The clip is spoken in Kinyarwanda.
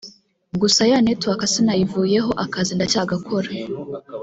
Gusa ya network sinayivuyeho akazi ndacyagakora